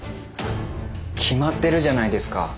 決まってるじゃないですか。